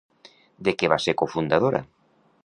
De què va ser cofundadora?